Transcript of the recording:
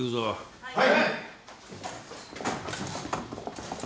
はい。